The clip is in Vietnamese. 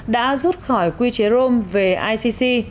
đã rút khỏi quy chế rome về icc